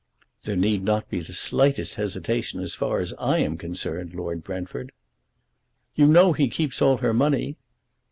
"There need not be the slightest hesitation as far as I am concerned, Lord Brentford." "You know he keeps all her money."